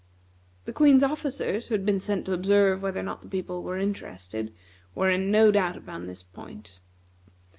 The Queen's officers, who had been sent to observe whether or not the people were interested, were in no doubt upon this point.